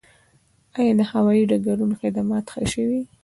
آیا د هوایي ډګرونو خدمات ښه شوي؟